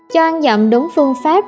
cho ăn dặm đúng phương pháp